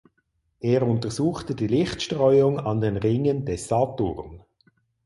Er untersuchte die Lichtstreuung an den Ringen des Saturn.